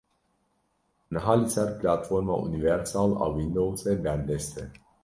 Niha li ser Platforma Universal a Windowsê berdest e.